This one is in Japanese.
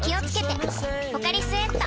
「ポカリスエット」